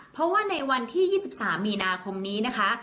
เพราะว่าในวันที่๒๓มีนาคมนี้นะคะ